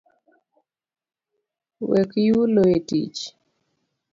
Wek yulo etich